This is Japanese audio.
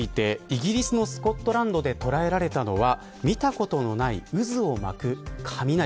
イギリスのスコットランドで捉えられたのは見たことのない渦を巻く雷。